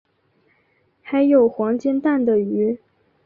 还有黄金蛋的鱼